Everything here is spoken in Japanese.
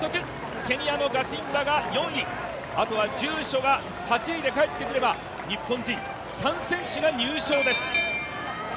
ケニアのガシンバが４位あとは住所が８位で帰ってくれば日本人３選手が入賞です。